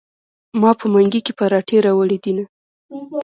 ما په منګي کې پراټې راوړي دینه.